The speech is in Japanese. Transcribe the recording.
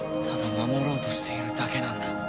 ただ守ろうとしているだけなんだ。